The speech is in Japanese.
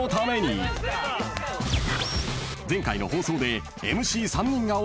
［前回の放送で］